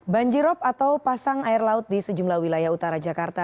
banjirop atau pasang air laut di sejumlah wilayah utara jakarta